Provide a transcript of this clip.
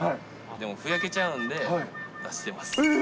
でもふやけちゃうんで出してます。